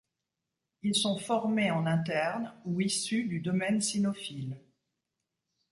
Ils sont formés en interne ou issus du domaine cynophile.